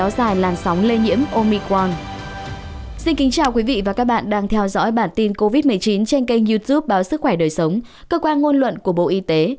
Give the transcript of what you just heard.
xin chào quý vị và các bạn đang theo dõi bản tin covid một mươi chín trên kênh youtube báo sức khỏe đời sống cơ quan ngôn luận của bộ y tế